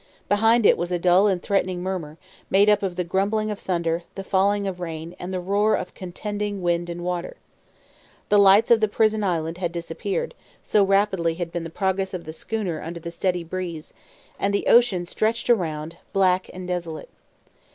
Behind it was a dull and threatening murmur, made up of the grumbling of thunder, the falling of rain, and the roar of contending wind and water. The lights of the prison island had disappeared, so rapid had been the progress of the schooner under the steady breeze, and the ocean stretched around, black and desolate.